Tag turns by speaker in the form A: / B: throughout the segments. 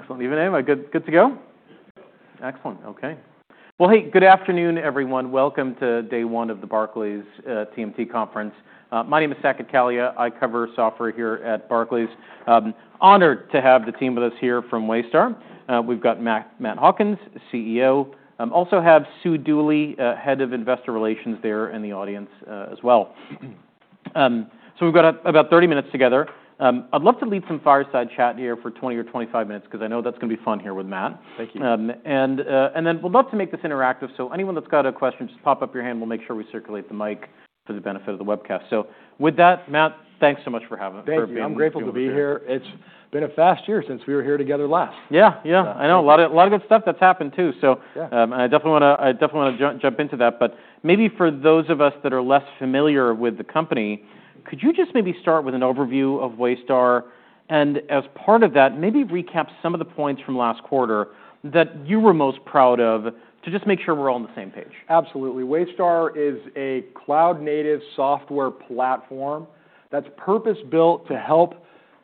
A: Excellent. Even him? Good, good to go?
B: Good to go.
A: Excellent. Okay. Well, hey, good afternoon, everyone. Welcome to day one of the Barclays TMT conference. My name is Saket Kalia. I cover software here at Barclays. Honored to have the team with us here from Waystar. We've got Matt, Matt Hawkins, CEO. Also have Sue Dooley, head of investor relations there in the audience, as well, so we've got about 30 minutes together. I'd love to lead some fireside chat here for 20 or 25 minutes 'cause I know that's gonna be fun here with Matt.
B: Thank you.
A: And then we'd love to make this interactive. So anyone that's got a question, just pop up your hand. We'll make sure we circulate the mic for the benefit of the webcast. So with that, Matt, thanks so much for being here.
B: Thank you. I'm grateful to be here. It's been a fast year since we were here together last.
A: Yeah, yeah. I know. A lot of good stuff that's happened too, so.
B: Yeah.
A: And I definitely wanna jump into that. But maybe for those of us that are less familiar with the company, could you just maybe start with an overview of Waystar and, as part of that, maybe recap some of the points from last quarter that you were most proud of to just make sure we're all on the same page?
B: Absolutely. Waystar is a cloud-native software platform that's purpose-built to help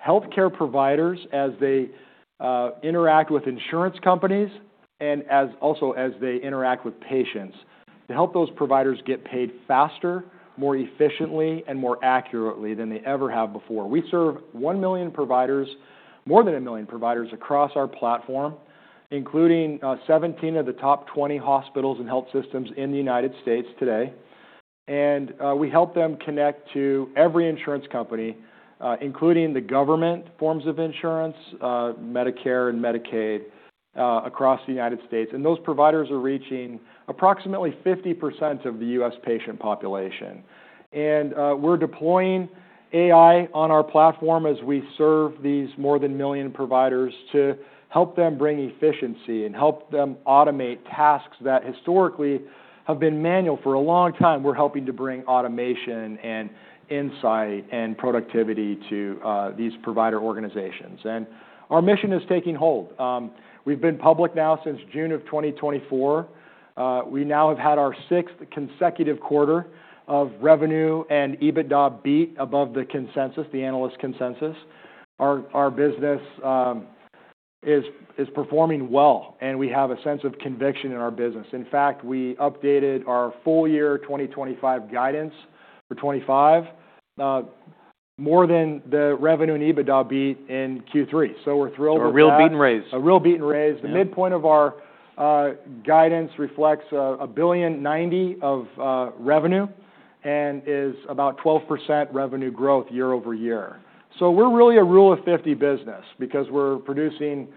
B: healthcare providers as they interact with insurance companies and also as they interact with patients to help those providers get paid faster, more efficiently, and more accurately than they ever have before. We serve 1 million providers, more than a million providers across our platform, including 17 of the top 20 hospitals and health systems in the United States today, and we help them connect to every insurance company, including the government forms of insurance, Medicare and Medicaid, across the United States, and those providers are reaching approximately 50% of the U.S. patient population, and we're deploying AI on our platform as we serve these more than a million providers to help them bring efficiency and help them automate tasks that historically have been manual for a long time. We're helping to bring automation and insight and productivity to these provider organizations. And our mission is taking hold. We've been public now since June of 2024. We now have had our sixth consecutive quarter of revenue and EBITDA beat above the consensus, the analyst consensus. Our business is performing well, and we have a sense of conviction in our business. In fact, we updated our full year 2025 guidance for 2025, more than the revenue and EBITDA beat in Q3. So we're thrilled with that.
A: So, a real beat and raise.
B: A real beat and raise. The midpoint of our guidance reflects $1.09 billion of revenue and is about 12% revenue growth year-over-year. So we're really a Rule of 50 business because we're producing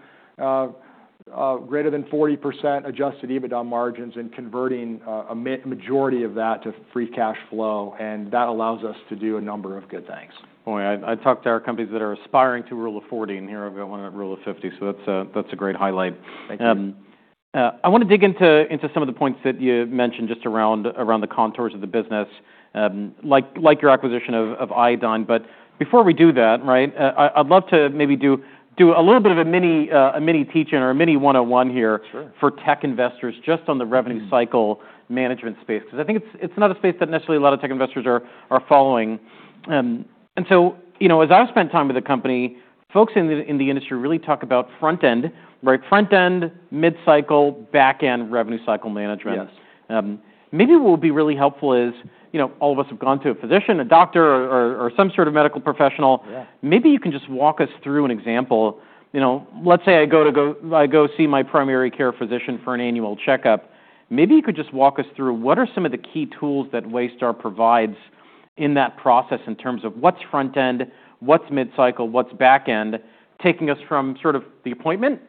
B: greater than 40% Adjusted EBITDA margins and converting a majority of that to free cash flow. And that allows us to do a number of good things.
A: Boy, I talked to our companies that are aspiring to Rule of 40, and here I've got one at Rule of 50, so that's a great highlight.
B: Thank you.
A: I wanna dig into some of the points that you mentioned just around the contours of the business, like your acquisition of Iodine. But before we do that, right, I'd love to maybe do a little bit of a mini teach-in or a mini one-on-one here.
B: Sure.
A: For tech investors just on the revenue cycle management space 'cause I think it's not a space that necessarily a lot of tech investors are following. So, you know, as I've spent time with the company, folks in the industry really talk about front end, right? Front end, mid-cycle, back end, revenue cycle management.
B: Yes.
A: Maybe what would be really helpful is, you know, all of us have gone to a physician, a doctor, or some sort of medical professional.
B: Yeah.
A: Maybe you can just walk us through an example. You know, let's say I go see my primary care physician for an annual checkup. Maybe you could just walk us through what are some of the key tools that Waystar provides in that process in terms of what's front end, what's mid-cycle, what's back end, taking us from sort of the appointment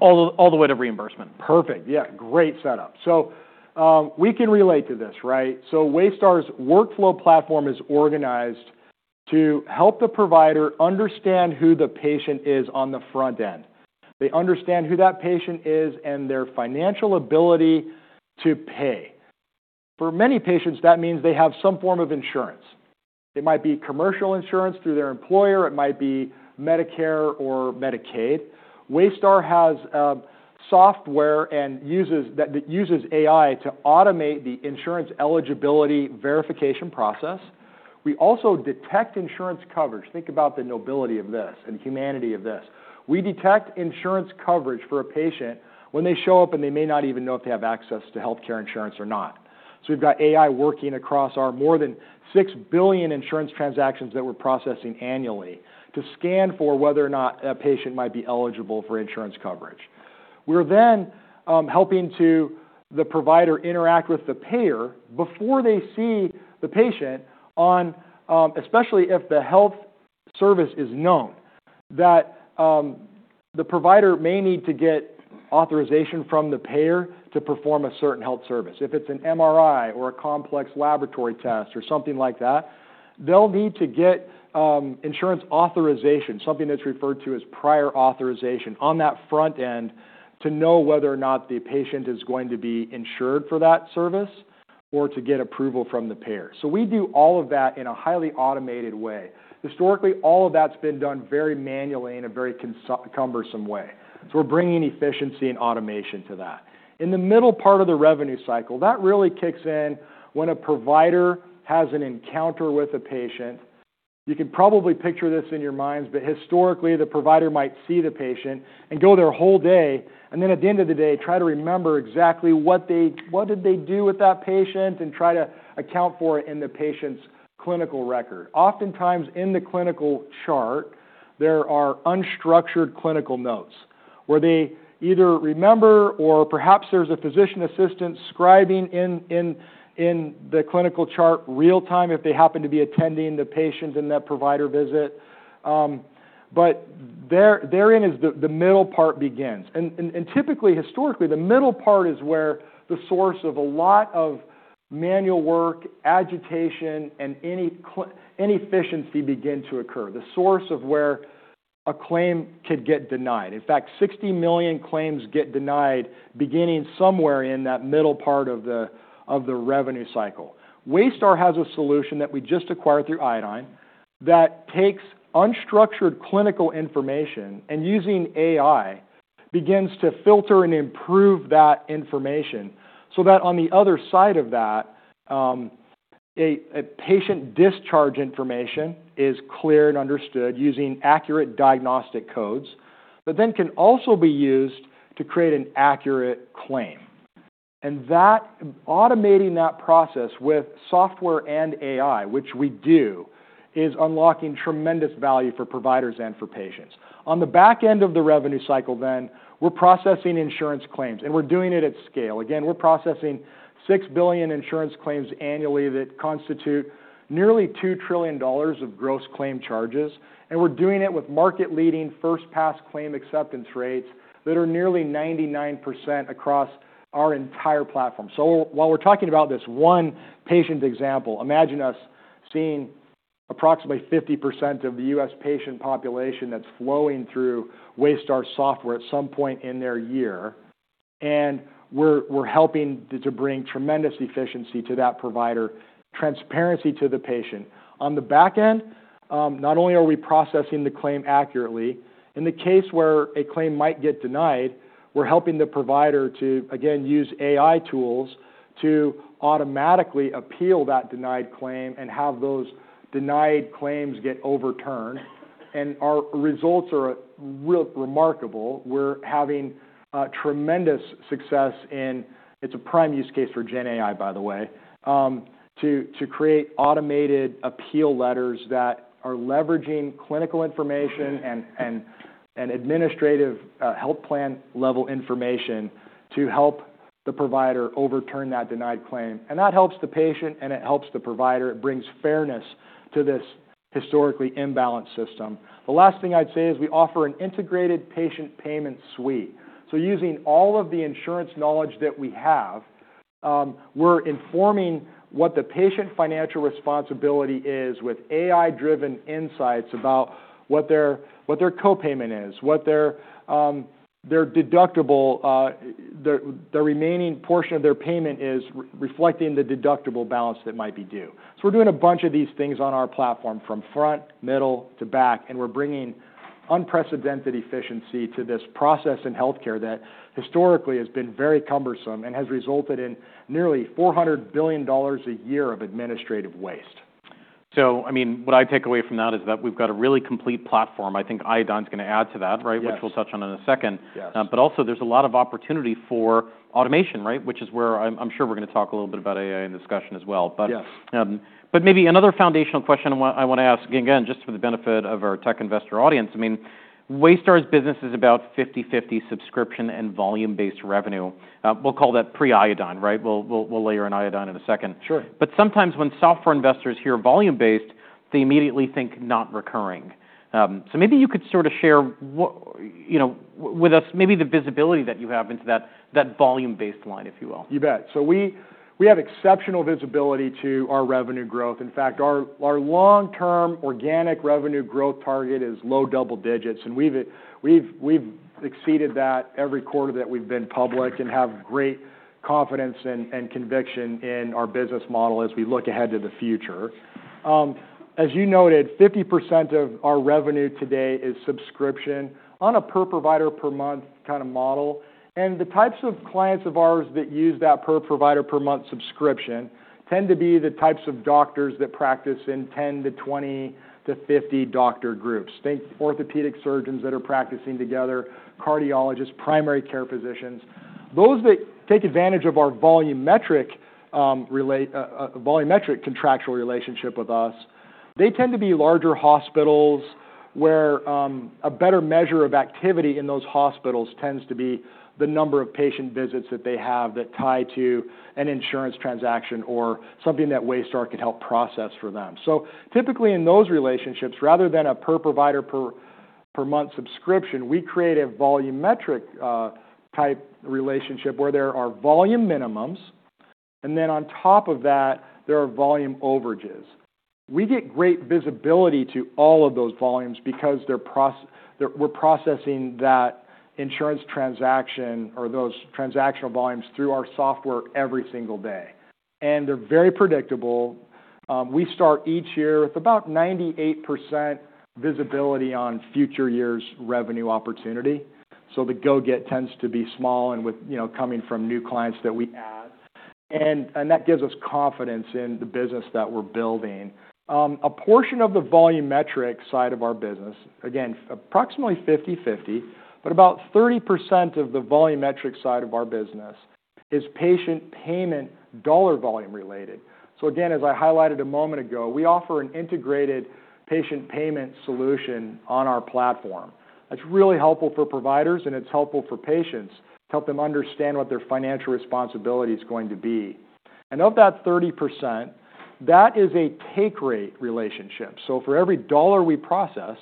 A: all the way to reimbursement.
B: Perfect. Yeah. Great setup. So, we can relate to this, right? So Waystar's workflow platform is organized to help the provider understand who the patient is on the front end. They understand who that patient is and their financial ability to pay. For many patients, that means they have some form of insurance. It might be commercial insurance through their employer. It might be Medicare or Medicaid. Waystar has software and uses that that uses AI to automate the insurance eligibility verification process. We also detect insurance coverage. Think about the nobility of this and humanity of this. We detect insurance coverage for a patient when they show up, and they may not even know if they have access to healthcare insurance or not. So we've got AI working across our more than six billion insurance transactions that we're processing annually to scan for whether or not a patient might be eligible for insurance coverage. We're then helping the provider interact with the payer before they see the patient, especially if the health service is known, the provider may need to get authorization from the payer to perform a certain health service. If it's an MRI or a complex laboratory test or something like that, they'll need to get insurance authorization, something that's referred to as prior authorization on that front end to know whether or not the patient is going to be insured for that service or to get approval from the payer. So we do all of that in a highly automated way. Historically, all of that's been done very manually in a very cumbersome way. So we're bringing efficiency and automation to that. In the middle part of the revenue cycle, that really kicks in when a provider has an encounter with a patient. You can probably picture this in your minds, but historically, the provider might see the patient and go their whole day and then at the end of the day try to remember exactly what did they do with that patient and try to account for it in the patient's clinical record. Oftentimes in the clinical chart, there are unstructured clinical notes where they either remember or perhaps there's a physician assistant scribing in the clinical chart real time if they happen to be attending the patient in that provider visit. But there, therein is the middle part begins. Typically, historically, the middle part is where the source of a lot of manual work, agitation, and any clinical inefficiency begin to occur, the source of where a claim could get denied. In fact, 60 million claims get denied beginning somewhere in that middle part of the revenue cycle. Waystar has a solution that we just acquired through Iodine that takes unstructured clinical information and using AI begins to filter and improve that information so that on the other side of that, a patient discharge information is cleared and understood using accurate diagnostic codes that then can also be used to create an accurate claim, and that automating that process with software and AI, which we do, is unlocking tremendous value for providers and for patients. On the back end of the revenue cycle then, we're processing insurance claims, and we're doing it at scale. Again, we're processing 6 billion insurance claims annually that constitute nearly $2 trillion of gross claim charges, and we're doing it with market-leading first-pass claim acceptance rates that are nearly 99% across our entire platform, so while we're talking about this one patient example, imagine us seeing approximately 50% of the U.S. patient population that's flowing through Waystar software at some point in their year, and we're helping to bring tremendous efficiency to that provider, transparency to the patient. On the back end, not only are we processing the claim accurately, in the case where a claim might get denied, we're helping the provider to again use AI tools to automatically appeal that denied claim and have those denied claims get overturned, and our results are remarkable. We're having tremendous success, and it's a prime use case for GenAI, by the way, to create automated appeal letters that are leveraging clinical information and administrative health-plan-level information to help the provider overturn that denied claim, and that helps the patient, and it helps the provider. It brings fairness to this historically imbalanced system. The last thing I'd say is we offer an integrated patient payment suite, so using all of the insurance knowledge that we have, we're informing what the patient financial responsibility is with AI-driven insights about what their co-payment is, what their deductible, their remaining portion of their payment is reflecting the deductible balance that might be due. So we're doing a bunch of these things on our platform from front, middle, to back, and we're bringing unprecedented efficiency to this process in healthcare that historically has been very cumbersome and has resulted in nearly $400 billion a year of administrative waste.
A: So, I mean, what I take away from that is that we've got a really complete platform. I think Iodine's gonna add to that, right?
B: Yes.
A: Which we'll touch on in a second.
B: Yes.
A: but also there's a lot of opportunity for automation, right, which is where I'm sure we're gonna talk a little bit about AI in discussion as well.
B: Yes.
A: But maybe another foundational question I wanna ask again, just for the benefit of our tech investor audience. I mean, Waystar's business is about 50/50 subscription and volume-based revenue. We'll call that pre-Iodine, right? We'll layer in Iodine in a second.
B: Sure.
A: But sometimes when software investors hear volume-based, they immediately think not recurring. So maybe you could sort of share what, you know, with us maybe the visibility that you have into that volume-based line, if you will.
B: You bet, so we have exceptional visibility to our revenue growth. In fact, our long-term organic revenue growth target is low double digits, and we've exceeded that every quarter that we've been public and have great confidence and conviction in our business model as we look ahead to the future. As you noted, 50% of our revenue today is subscription on a per provider per month kind of model, and the types of clients of ours that use that per provider per month subscription tend to be the types of doctors that practice in 10 to 20 to 50 doctor groups. Think orthopedic surgeons that are practicing together, cardiologists, primary care physicians. Those that take advantage of our volumetric-related contractual relationship with us, they tend to be larger hospitals where a better measure of activity in those hospitals tends to be the number of patient visits that they have that tie to an insurance transaction or something that Waystar could help process for them, so typically in those relationships, rather than a per provider per month subscription, we create a volumetric-type relationship where there are volume minimums, and then on top of that, there are volume overages. We get great visibility to all of those volumes because they're processed. We're processing that insurance transaction or those transactional volumes through our software every single day, and they're very predictable. We start each year with about 98% visibility on future year's revenue opportunity. So the go get tends to be small and, with you know, coming from new clients that we add. And that gives us confidence in the business that we're building. A portion of the volumetric side of our business, again, approximately 50/50, but about 30% of the volumetric side of our business is patient payment dollar volume related. So again, as I highlighted a moment ago, we offer an integrated patient payment solution on our platform. That's really helpful for providers, and it's helpful for patients to help them understand what their financial responsibility is going to be. And of that 30%, that is a take rate relationship. So for every dollar we process,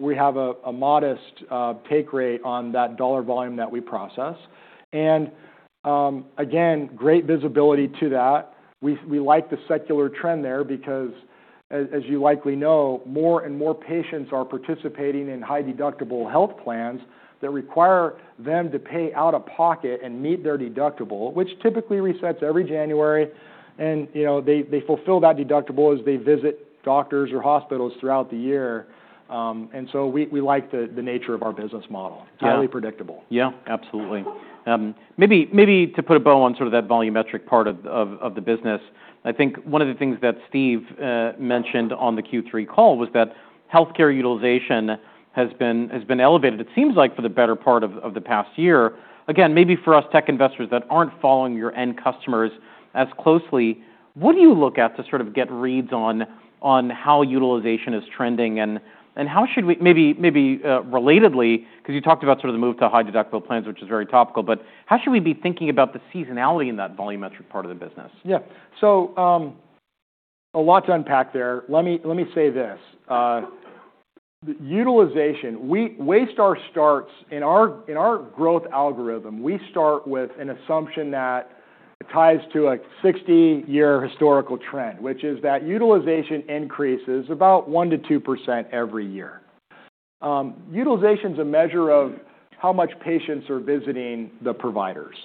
B: we have a modest take rate on that dollar volume that we process. And again, great visibility to that. We like the secular trend there because as you likely know, more and more patients are participating in high deductible health plans that require them to pay out of pocket and meet their deductible, which typically resets every January, and you know, they fulfill that deductible as they visit doctors or hospitals throughout the year, and so we like the nature of our business model. Yeah.
A: Highly predictable.
B: Yeah. Absolutely. Maybe to put a bow on sort of that volumetric part of the business, I think one of the things that Steve mentioned on the Q3 call was that healthcare utilization has been elevated, it seems like, for the better part of the past year. Again, maybe for us tech investors that aren't following your end customers as closely, what do you look at to sort of get reads on how utilization is trending and how should we maybe relatedly, 'cause you talked about sort of the move to high deductible plans, which is very topical, but how should we be thinking about the seasonality in that volumetric part of the business? Yeah. So, a lot to unpack there. Let me say this. The utilization. Waystar starts in our growth algorithm. We start with an assumption that ties to a 60-year historical trend, which is that utilization increases about 1%-2% every year. Utilization's a measure of how much patients are visiting the providers.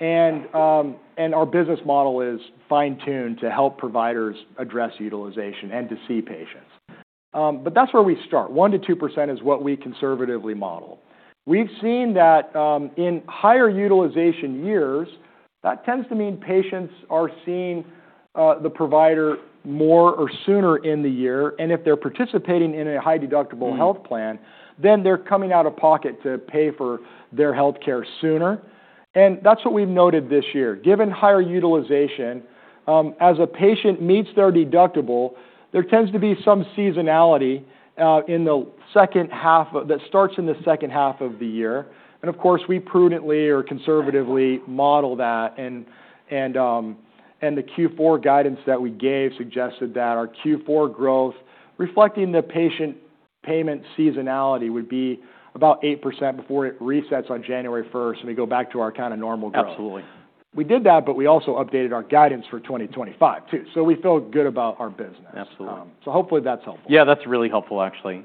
B: Our business model is fine-tuned to help providers address utilization and to see patients. That's where we start. 1%-2% is what we conservatively model. We've seen that in higher utilization years that tends to mean patients are seeing the provider more or sooner in the year. If they're participating in a high deductible health plan, then they're coming out of pocket to pay for their healthcare sooner. That's what we've noted this year. Given higher utilization, as a patient meets their deductible, there tends to be some seasonality in the second half of that starts in the second half of the year. And of course, we prudently or conservatively model that, and the Q4 guidance that we gave suggested that our Q4 growth reflecting the patient payment seasonality would be about 8% before it resets on January 1st and we go back to our kind of normal growth.
A: Absolutely.
B: We did that, but we also updated our guidance for 2025 too. So we feel good about our business.
A: Absolutely.
B: So hopefully that's helpful.
A: Yeah. That's really helpful, actually.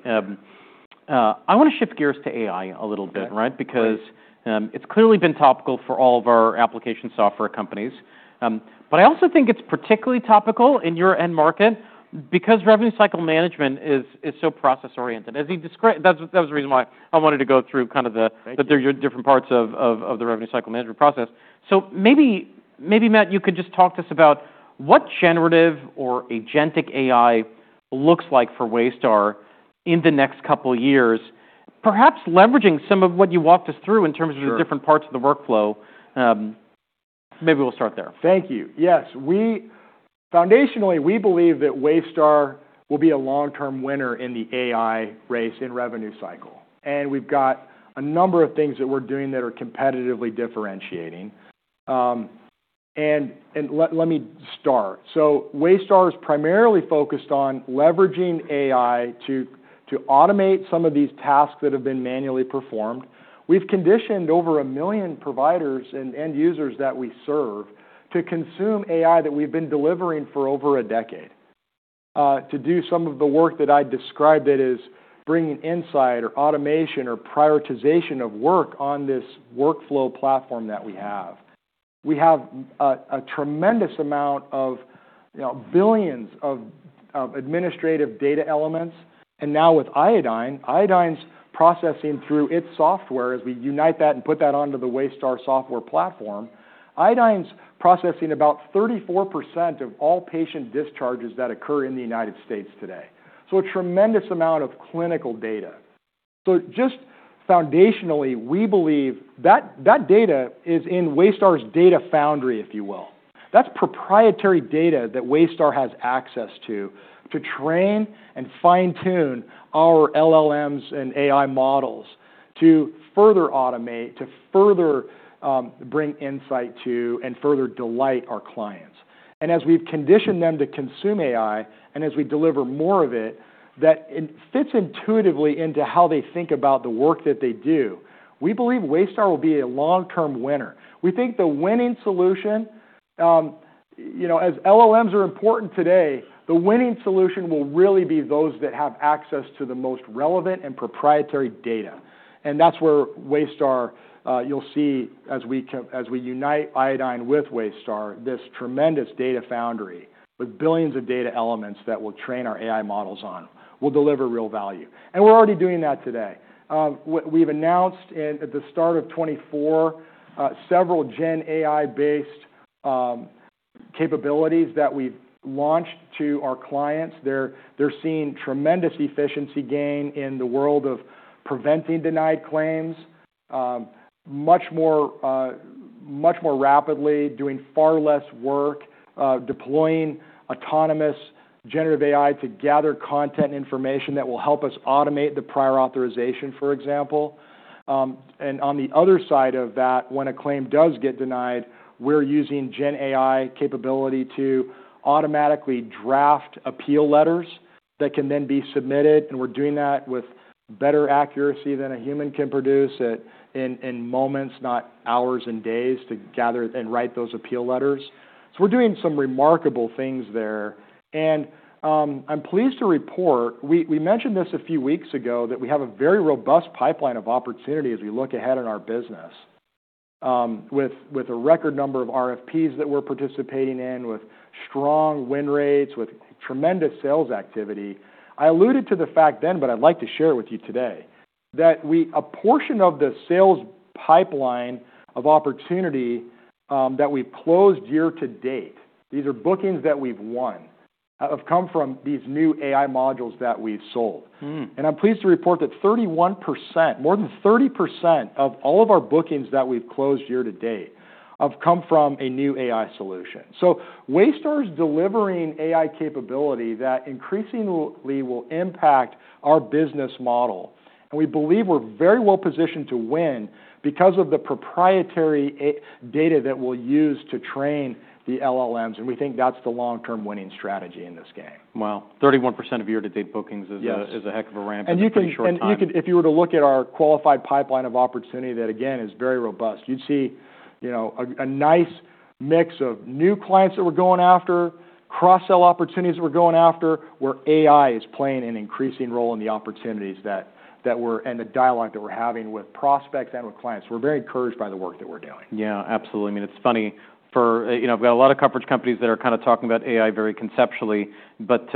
A: I wanna shift gears to AI a little bit.
B: Sure.
A: Right? Because it's clearly been topical for all of our application software companies. But I also think it's particularly topical in your end market because revenue cycle management is so process-oriented. As you described, that was the reason why I wanted to go through kind of the.
B: Thank you.
A: Your different parts of the revenue cycle management process. So maybe, Matt, you could just talk to us about what generative or agentic AI looks like for Waystar in the next couple of years, perhaps leveraging some of what you walked us through in terms of the different parts of the workflow.
B: Sure.
A: Maybe we'll start there.
B: Thank you. Yes. We foundationally believe that Waystar will be a long-term winner in the AI race in revenue cycle, and we've got a number of things that we're doing that are competitively differentiating, and let me start, so Waystar is primarily focused on leveraging AI to automate some of these tasks that have been manually performed. We've conditioned over a million providers and end users that we serve to consume AI that we've been delivering for over a decade, to do some of the work that I described it as bringing insight or automation or prioritization of work on this workflow platform that we have. We have a tremendous amount of, you know, billions of administrative data elements, and now with Iodine, Iodine's processing through its software as we unite that and put that onto the Waystar software platform. Iodine's processing about 34% of all patient discharges that occur in the United States today. So a tremendous amount of clinical data. So just foundationally, we believe that data is in Waystar's data foundry, if you will. That's proprietary data that Waystar has access to, to train and fine-tune our LLMs and AI models to further automate, to further bring insight to and further delight our clients. And as we've conditioned them to consume AI, and as we deliver more of it, that it fits intuitively into how they think about the work that they do, we believe Waystar will be a long-term winner. We think the winning solution, you know, as LLMs are important today, the winning solution will really be those that have access to the most relevant and proprietary data. That's where Waystar, you'll see as we unite Iodine with Waystar, this tremendous data foundry with billions of data elements that we'll train our AI models on, we'll deliver real value. We're already doing that today. We've announced at the start of 2024 several GenAI-based capabilities that we've launched to our clients. They're seeing tremendous efficiency gain in the world of preventing denied claims, much more, much more rapidly doing far less work, deploying autonomous generative AI to gather content and information that will help us automate the prior authorization, for example. On the other side of that, when a claim does get denied, we're using GenAI capability to automatically draft appeal letters that can then be submitted. And we're doing that with better accuracy than a human can produce, in moments, not hours and days to gather and write those appeal letters. So we're doing some remarkable things there. And I'm pleased to report, we mentioned this a few weeks ago that we have a very robust pipeline of opportunity as we look ahead in our business, with a record number of RFPs that we're participating in, with strong win rates, with tremendous sales activity. I alluded to the fact then, but I'd like to share it with you today, that a portion of the sales pipeline of opportunity, that we've closed year to date, these are bookings that we've won, have come from these new AI modules that we've sold. And I'm pleased to report that 31%, more than 30% of all of our bookings that we've closed year to date have come from a new AI solution. So Waystar's delivering AI capability that increasingly will impact our business model. And we believe we're very well positioned to win because of the proprietary data that we'll use to train the LLMs. And we think that's the long-term winning strategy in this game.
A: Wow. 31% of year-to-date bookings is.
B: Yes.
A: Is a heck of a ramp in the short term.
B: You can, if you were to look at our qualified pipeline of opportunity that, again, is very robust, you'd see, you know, a nice mix of new clients that we're going after, cross-sell opportunities that we're going after, where AI is playing an increasing role in the opportunities that we're and the dialogue that we're having with prospects and with clients. We're very encouraged by the work that we're doing.
A: Yeah. Absolutely. I mean, it's funny for, you know, I've got a lot of coverage companies that are kind of talking about AI very conceptually, but,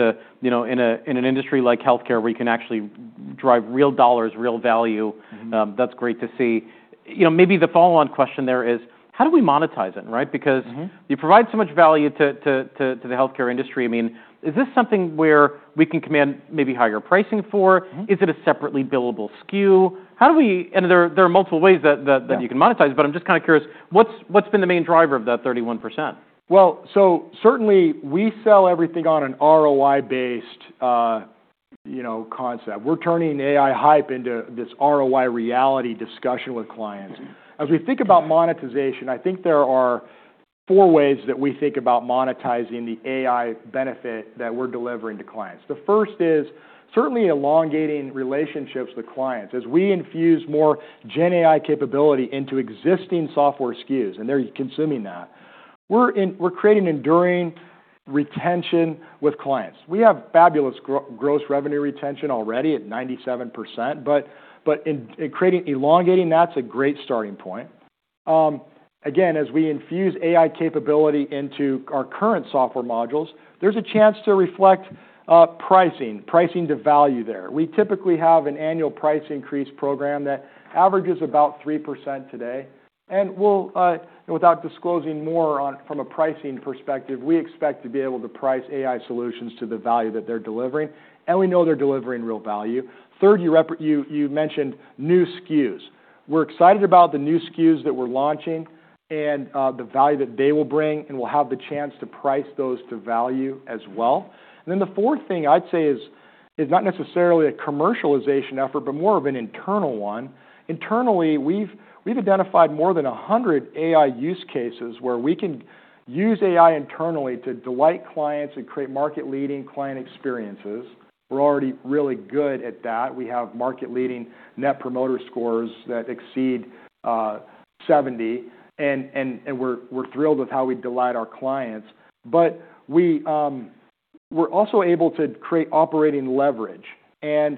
A: you know, in an industry like healthcare where you can actually drive real dollars, real value.
B: Mm-hmm.
A: That's great to see. You know, maybe the follow-on question there is, how do we monetize it? Right? Because.
B: Mm-hmm.
A: You provide so much value to the healthcare industry. I mean, is this something where we can command maybe higher pricing for?
B: Mm-hmm.
A: Is it a separately billable SKU? How do we? And there are multiple ways that you can monetize.
B: Mm-hmm.
A: But I'm just kind of curious, what's been the main driver of that 31%?
B: Certainly we sell everything on an ROI-based, you know, concept. We're turning AI hype into this ROI reality discussion with clients. As we think about monetization, I think there are four ways that we think about monetizing the AI benefit that we're delivering to clients. The first is certainly elongating relationships with clients. As we infuse more GenAI capability into existing software SKUs, and they're consuming that, we're creating enduring retention with clients. We have fabulous gross revenue retention already at 97%, but in creating elongating, that's a great starting point. Again, as we infuse AI capability into our current software modules, there's a chance to reflect pricing to value there. We typically have an annual price increase program that averages about 3% today. And we'll, without disclosing more on from a pricing perspective, we expect to be able to price AI solutions to the value that they're delivering. And we know they're delivering real value. Third, you mentioned new SKUs. We're excited about the new SKUs that we're launching and the value that they will bring, and we'll have the chance to price those to value as well. And then the fourth thing I'd say is not necessarily a commercialization effort, but more of an internal one. Internally, we've identified more than 100 AI use cases where we can use AI internally to delight clients and create market-leading client experiences. We're already really good at that. We have market-leading Net Promoter Scores that exceed 70. And we're thrilled with how we delight our clients. But we're also able to create operating leverage. You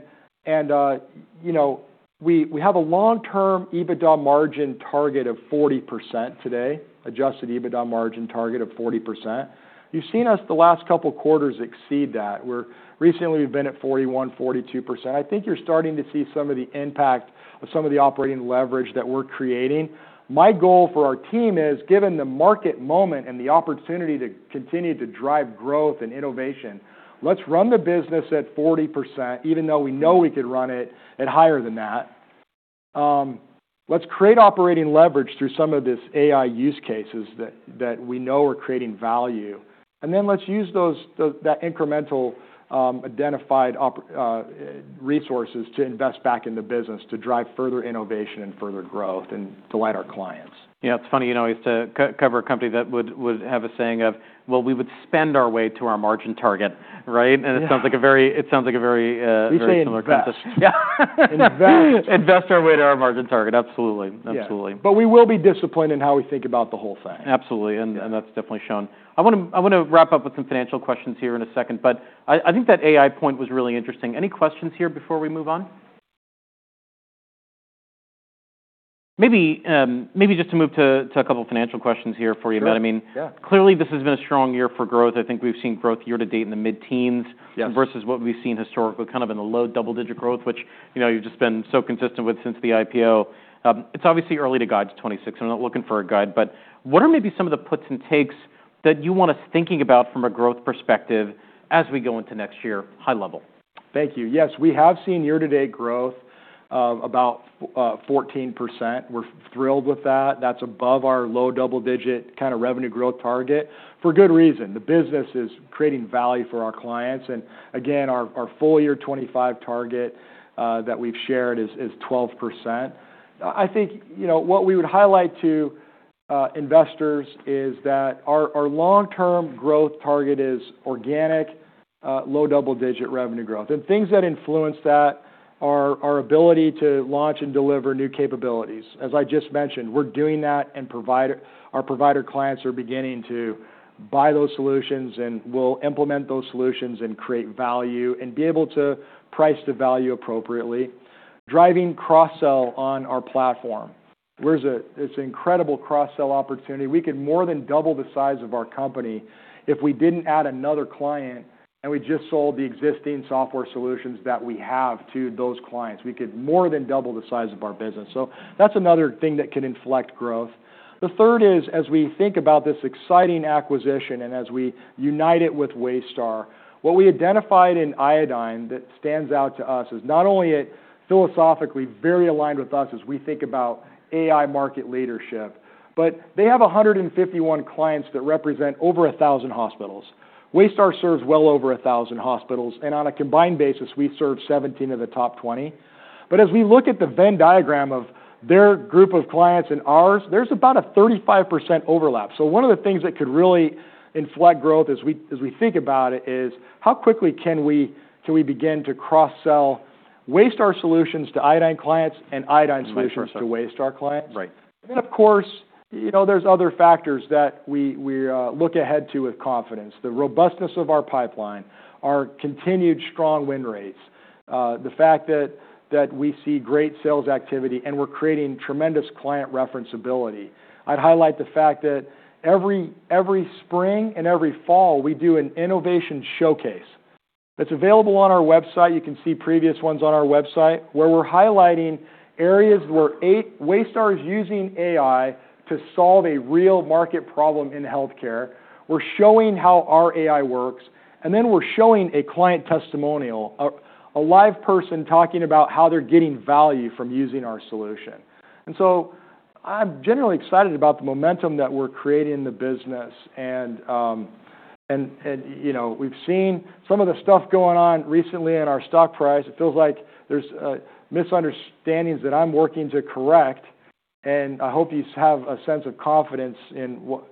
B: know, we have a long-term EBITDA margin target of 40% today, Adjusted EBITDA margin target of 40%. You've seen us the last couple of quarters exceed that. We've been at 41%-42%. I think you're starting to see some of the impact of some of the operating leverage that we're creating. My goal for our team is, given the market moment and the opportunity to continue to drive growth and innovation, let's run the business at 40%, even though we know we could run it at higher than that. Let's create operating leverage through some of this AI use cases that we know are creating value. And then let's use those incremental identified OpEx resources to invest back in the business to drive further innovation and further growth and delight our clients.
A: Yeah. It's funny, you know, I used to co-cover a company that would have a saying of, well, we would spend our way to our margin target. Right? And it sounds like a very, very similar concept.
B: We say, yeah. Invest.
A: Invest our way to our margin target. Absolutely. Absolutely.
B: Yeah, but we will be disciplined in how we think about the whole thing.
A: Absolutely. And that's definitely shown. I wanna wrap up with some financial questions here in a second, but I think that AI point was really interesting. Any questions here before we move on? Maybe just to move to a couple of financial questions here for you, Matt.
B: Sure. Yeah.
A: I mean, clearly this has been a strong year for growth. I think we've seen growth year-to-date in the mid-teens.
B: Yes.
A: Versus what we've seen historically, kind of in the low double-digit growth, which, you know, you've just been so consistent with since the IPO. It's obviously early to guide to 2026. I'm not looking for a guide, but what are maybe some of the puts and takes that you want us thinking about from a growth perspective as we go into next year, high level?
B: Thank you. Yes. We have seen year-to-date growth about 14%. We're thrilled with that. That's above our low double-digit kind of revenue growth target for good reason. The business is creating value for our clients. And again, our full year 2025 target that we've shared is 12%. I think, you know, what we would highlight to investors is that our long-term growth target is organic low double-digit revenue growth. And things that influence that are our ability to launch and deliver new capabilities. As I just mentioned, we're doing that, and our provider clients are beginning to buy those solutions, and we'll implement those solutions and create value and be able to price to value appropriately. Driving cross-sell on our platform. It's an incredible cross-sell opportunity. We could more than double the size of our company if we didn't add another client, and we just sold the existing software solutions that we have to those clients. We could more than double the size of our business, so that's another thing that can inflect growth. The third is, as we think about this exciting acquisition and as we unite it with Waystar, what we identified in Iodine that stands out to us is not only it philosophically very aligned with us as we think about AI market leadership, but they have 151 clients that represent over 1,000 hospitals. Waystar serves well over 1,000 hospitals, and on a combined basis, we serve 17 of the top 20, but as we look at the Venn diagram of their group of clients and ours, there's about a 35% overlap. One of the things that could really inflect growth as we think about it is how quickly can we begin to cross-sell Waystar solutions to Iodine clients and Iodine solutions to Waystar clients?
A: Waystar. Right.
B: And then, of course, you know, there's other factors that we look ahead to with confidence: the robustness of our pipeline, our continued strong win rates, the fact that we see great sales activity, and we're creating tremendous client referenceability. I'd highlight the fact that every spring and every fall, we do an innovation showcase. It's available on our website. You can see previous ones on our website where we're highlighting areas where Waystar is using AI to solve a real market problem in healthcare. We're showing how our AI works. And then we're showing a client testimonial, a live person talking about how they're getting value from using our solution. And so I'm generally excited about the momentum that we're creating in the business. And you know, we've seen some of the stuff going on recently in our stock price. It feels like there's misunderstandings that I'm working to correct. And I hope you have a sense of confidence in what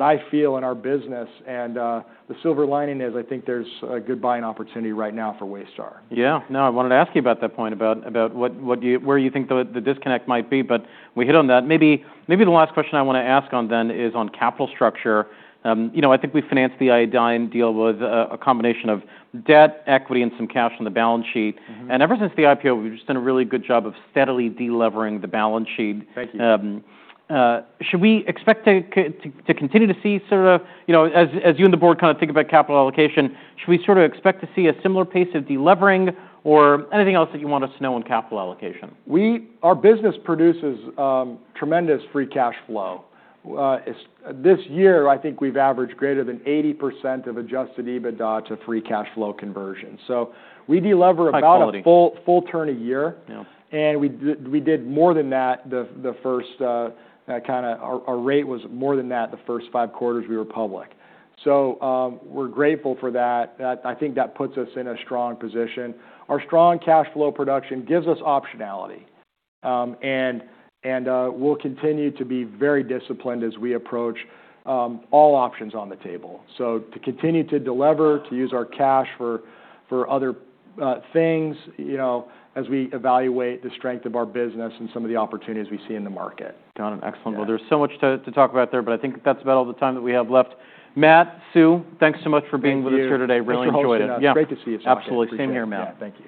B: I feel in our business. And the silver lining is I think there's a good buying opportunity right now for Waystar.
A: Yeah. No, I wanted to ask you about that point about where you think the disconnect might be. But we hit on that. Maybe the last question I wanna ask on then is on capital structure. You know, I think we financed the Iodine deal with a combination of debt, equity, and some cash on the balance sheet.
B: Mm-hmm.
A: Ever since the IPO, we've just done a really good job of steadily delivering the balance sheet.
B: Thank you.
A: Should we expect to continue to see sort of, you know, as you and the board kind of think about capital allocation, should we sort of expect to see a similar pace of delivering or anything else that you want us to know on capital allocation?
B: Our business produces tremendous free cash flow. This year, I think we've averaged greater than 80% of Adjusted EBITDA to free cash flow conversion. So we deliver about.
A: That's quality.
B: A full, full turn a year.
A: Yeah.
B: And we did more than that. Our rate was more than that the first five quarters we were public. So, we're grateful for that. That, I think, puts us in a strong position. Our strong cash flow production gives us optionality, and we'll continue to be very disciplined as we approach all options on the table. So, to continue to deliver, to use our cash for other things, you know, as we evaluate the strength of our business and some of the opportunities we see in the market.
A: Done, excellent. Well, there's so much to talk about there, but I think that's about all the time that we have left. Matt, Sue, thanks so much for being with us here today.
B: Thank you so much.
A: Really enjoyed it. Yeah.
B: Great to see you so much.
A: Absolutely. Same here, Matt.
B: Yeah. Thank you.